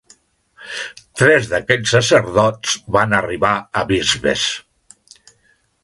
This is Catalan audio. Tres d'aquells sacerdots van arribar a Bisbes.